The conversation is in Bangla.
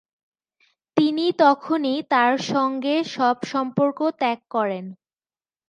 তিনি তখনই তার সঙ্গে সব সম্পর্ক ত্যাগ করেন।